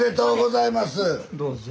・どうぞ。